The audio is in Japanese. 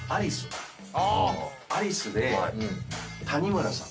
アリスで谷村さん。